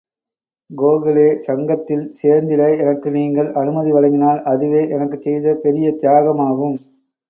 கோகலே சங்கத்தில் சேர்ந்திட எனக்கு நீங்கள் அனுமதி வழங்கினால் அதுவே எனக்குச் செய்த பெரிய தியாகமாகும்.